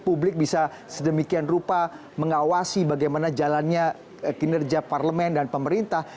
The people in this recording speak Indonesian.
publik bisa sedemikian rupa mengawasi bagaimana jalannya kinerja parlemen dan pemerintah